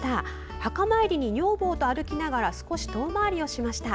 墓参りに女房と歩きながら少し遠回りをしました。